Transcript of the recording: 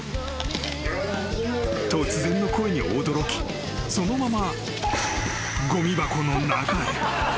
［突然の声に驚きそのまま］